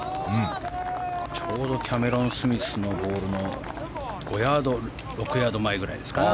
ちょうどキャメロン・スミスのボールの５ヤード、６ヤード前ぐらいですかね。